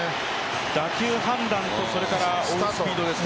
打球判断と、それから追うスピードですか。